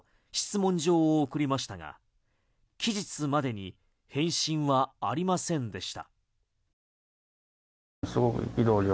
質問状を送りましたが期日までに返信はありませんでした。